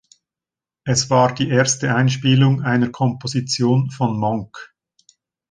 Es war die erste Einspielung einer Komposition von Monk.